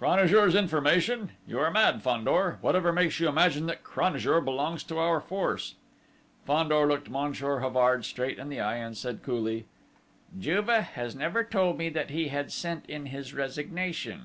"Cranajour's information? You are mad, Fandor!... Whatever makes you imagine that Cranajour belongs to our force?" Fandor looked Monsieur Havard straight in the eye and said coolly: "Juve has never told me that he had sent in his resignation!"